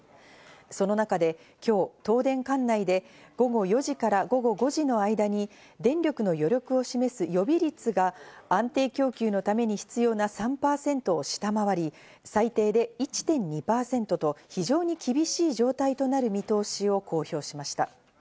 その中で、今日東電管内で午後４時から午後５時の間に電力の余力を示す予備率が安定供給のために必要な３％を下回り、最低で１．２％と非常に厳しい状態となる見通しを公表しました。